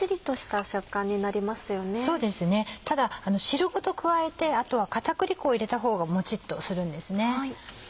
ただ汁ごと加えてあとは片栗粉を入れたほうがモチっとするんですね。